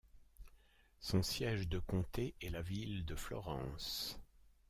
Son siège de comté est la ville de Florence.